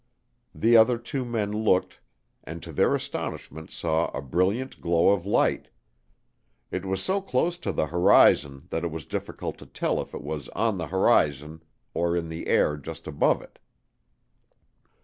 The other two men looked and to their astonishment saw a brilliant glow of light. It was so close to the horizon that it was difficult to tell if it was on the horizon or in the air just above it.